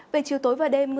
về chiều tối và đêm